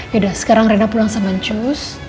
yaudah sekarang reina pulang sama cus